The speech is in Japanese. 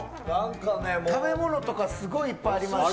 食べ物とかすごいいっぱいあります。